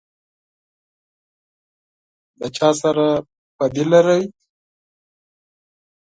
_ له چا سره بدي لری؟